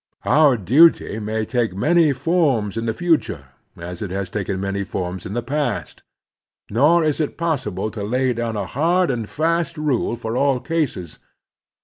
Our duty may take many forms in the future as it has taken many forms in the past. Nor is it possible to lay down a hard and fast rule for all cases.